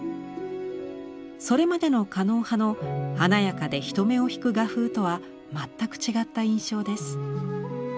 それまでの狩野派の華やかで人目を引く画風とは全く違った印象です。